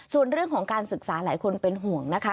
ส่วนเรื่องของการศึกษาหลายคนเป็นห่วงนะคะ